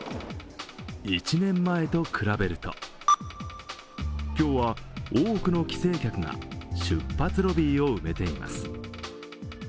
１年前と比べると今日は多くの帰省客が出発ロビーを埋めています。